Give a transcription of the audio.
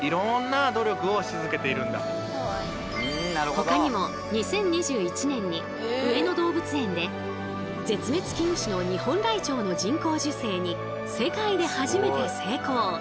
ほかにも２０２１年に上野動物園で絶滅危惧種のニホンライチョウの人工授精に世界で初めて成功。